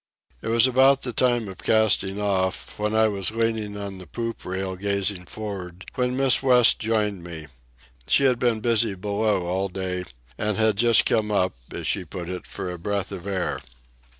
It was about the time of casting off, when I was leaning on the poop rail gazing for'ard, when Miss West joined me. She had been busy below all day, and had just come up, as she put it, for a breath of air.